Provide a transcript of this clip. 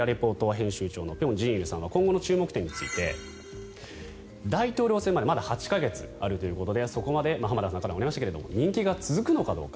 編集長の辺真一さんは今後の注目点について大統領選までまだ８か月あるということで浜田さんからもありましたがそこまで人気が続くのかどうか。